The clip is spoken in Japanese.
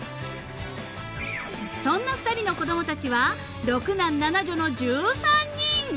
［そんな２人の子供たちは６男７女の１３人］